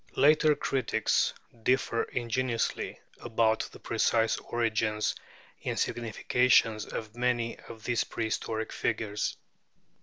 Later critics differ ingeniously about the precise origins and significations of many of these prehistoric figures.